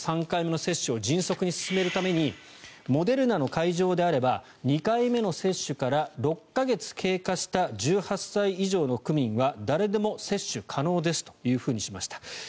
３回目の接種を迅速に進めるためにモデルナの会場であれば２回目接種から６か月経過した１８歳以上の区民は誰でも接種可能ですとしました。